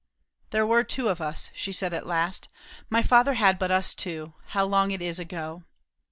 "There were two of us," she said at last. "My father had but us two, how long it is ago!